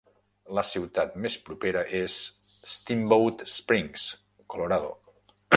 La ciutat més propera és Steamboat Springs (Colorado).